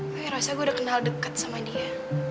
gue ngerasa gue udah kenal deket sama dia